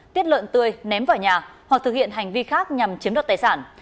tiết lợn tươi ném vào nhà hoặc thực hiện hành vi khác nhằm chiếm đoạt tài sản